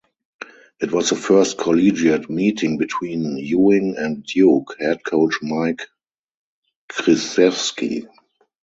It was the first collegiate meeting between Ewing and Duke head coach Mike Krzyzewski.